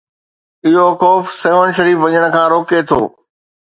اهو خوف سيوهڻ شريف وڃڻ کان روڪي ٿو.